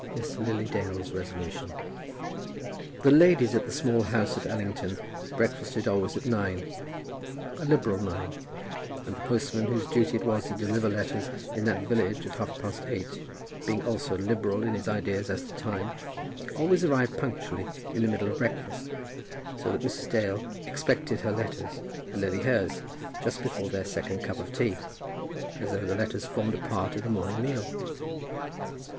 MISS LILY DALE'S RESOLUTION. The ladies at the Small House at Allington breakfasted always at nine, a liberal nine; and the postman whose duty it was to deliver letters in that village at half past eight, being also liberal in his ideas as to time, always arrived punctually in the middle of breakfast, so that Mrs. Dale expected her letters, and Lily hers, just before their second cup of tea, as though the letters formed a part of the morning meal.